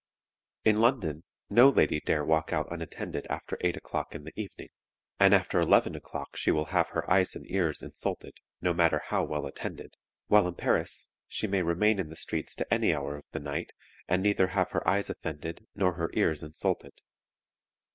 In London no lady dare walk out unattended after 8 o'clock in the evening, and after 11 o'clock she will have her eyes and ears insulted, no matter how well attended, while in Paris she may remain in the streets to any hour of the night, and neither have her eyes offended nor her ears insulted.